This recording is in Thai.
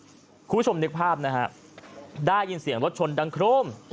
คุณผู้ชมนึกภาพนะฮะได้ยินเสียงรถชนดังโครม